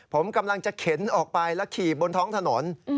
ผมกำลังจะเข็นออกไปแล้วขี่บนท้องถนน